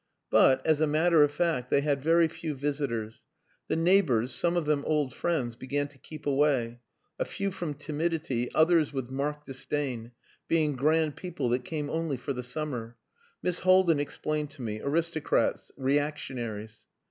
But, as a matter of fact, they had very few visitors. The neighbours some of them old friends began to keep away; a few from timidity, others with marked disdain, being grand people that came only for the summer Miss Haldin explained to me aristocrats, reactionaries.